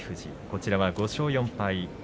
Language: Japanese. こちらは５勝４敗。